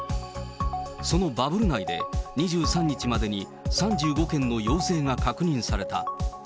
そのバブル内で、２３日までに３５件の陽性が確認された。